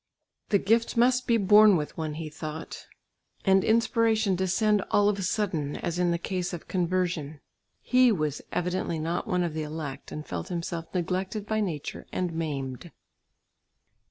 The gift must be born with one, he thought, and inspiration descend all of a sudden, as in the case of conversion. He was evidently not one of the elect, and felt himself neglected by nature and maimed.